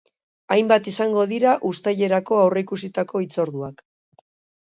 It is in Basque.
Hainbat izango dira uztailerako aurreikusitako hitzorduak.